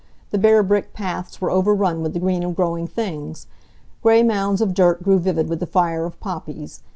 The bare brick paths were overrun with the green of growing things. Gray mounds of dirt grew vivid with the fire of poppies.